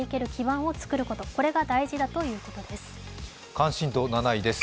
関心度７位です。